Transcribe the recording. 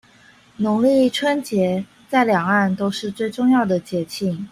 農曆春節在兩岸都是最重要的節慶